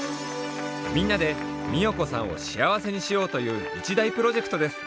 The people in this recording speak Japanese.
みんなで美代子さんをしあわせにしようという一大プロジェクトです。